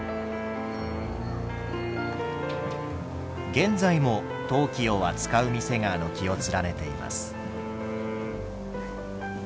現在も陶器を扱う店が軒を連ねています。